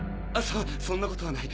そそんなことはない